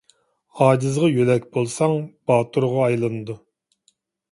ئاجىزغا يۆلەك بولساڭ، باتۇرغا ئايلىنىدۇ.